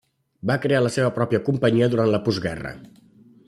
Va crear la seva pròpia companyia durant la postguerra.